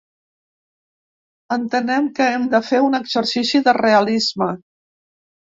Entenem que hem de fer un exercici de realisme.